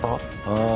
うん。